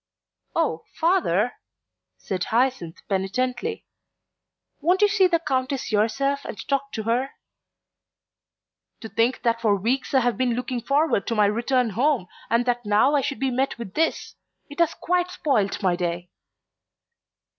"Oh, Father!" said Hyacinth penitently. "Won't you see the Countess yourself and talk to her?" "To think that for weeks I have been looking forward to my return home and that now I should be met with this! It has quite spoilt my day."